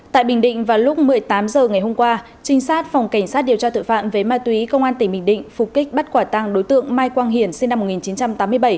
tại bình định vào lúc một mươi tám h ngày hôm qua trinh sát phòng cảnh sát điều tra tội phạm về ma túy công an tỉnh bình định phục kích bắt quả tăng đối tượng mai quang hiển sinh năm một nghìn chín trăm tám mươi bảy